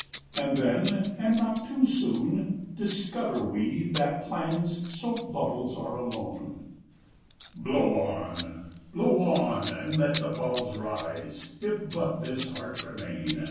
And then, and not too soon, discover we That plans soap bubbles are alone. Blow on! blow on! and let the bubbles rise, If but this heart remain!